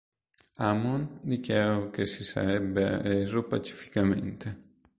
Amon dichiarò che si sarebbe arreso pacificamente.